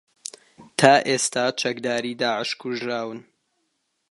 تا ئێستا چەکداری داعش کوژراون